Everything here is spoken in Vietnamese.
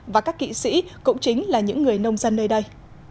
và các kỵ sĩ cũng chính là những người nông dân nơi đây